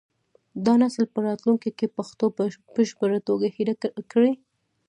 دا نسل به راتلونکي کې پښتو په بشپړه توګه هېره کړي.